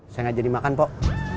saya gak jadi makan pok